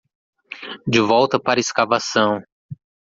de volta para a escavação.